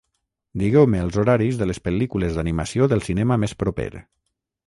Digueu-me els horaris de les pel·lícules d'animació del cinema més proper